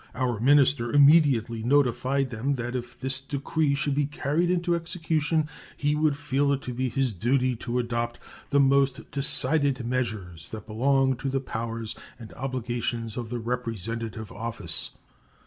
Our minister immediately notified them that if this decree should be carried into execution he would feel it to be his duty to adopt "the most decided measures that belong to the powers and obligations of the representative office."